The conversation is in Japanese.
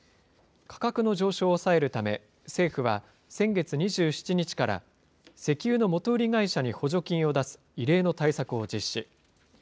価格の上昇を抑えるため、政府は先月２７日から、石油の元売り会社に補助金を出す異例の対策を実施。